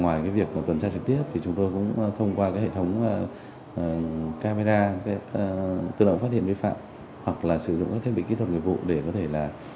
ngoài việc tuần tra trực tiếp thì chúng tôi cũng thông qua hệ thống camera tự động phát hiện vi phạm hoặc là sử dụng các thiết bị kỹ thuật nghiệp vụ để có thể là